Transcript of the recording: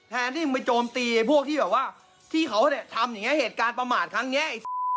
แทนที่ไปโจมตีพวกที่แบบว่าที่เขาทำเหตุการณ์ประมาทครั้งนี้ไอ